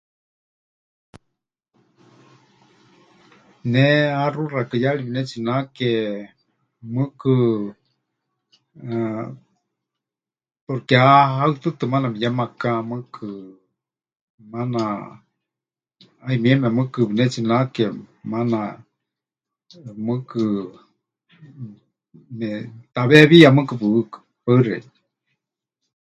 Ne haxu xakɨyari pɨnetsinake, mɨɨkɨ, ah, porque ha haɨtɨtɨ maana mɨyemaka, mɨɨkɨ, maana, 'ayumieme mɨɨkɨ pɨnetsinake, maana, mɨɨkɨ, ne..., taweewíya mɨɨkɨ pɨhɨɨkɨ. Paɨ xeikɨ́a.